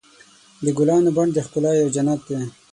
د ګلانو بڼ د ښکلا یو جنت دی.